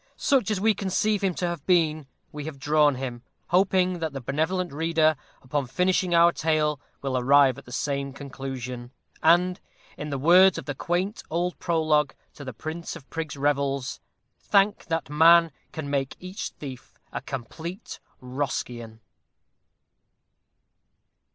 Such as we conceive him to have been, we have drawn him hoping that the benevolent reader, upon finishing our Tale, will arrive at the same conclusion; and, in the words of the quaint old Prologue to the Prince of Prigs' Revels, Thank that man, Can make each thief a complete Roscian!